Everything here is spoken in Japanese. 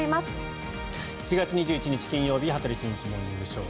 ４月２１日、金曜日「羽鳥慎一モーニングショー」。